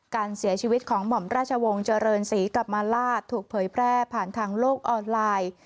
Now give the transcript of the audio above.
การเสียชีวิตของหม่อมราชวงศ์เจริญศรีกลับมาลาศถูกเผยแพร่ผ่านทางโลกออนไลน์